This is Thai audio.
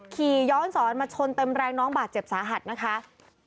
ขี่ย้อนสอนมาชนเต็มแรงน้องบาดเจ็บสาหัสนะคะ